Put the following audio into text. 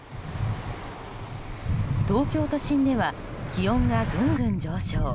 東京都心では気温がぐんぐん上昇。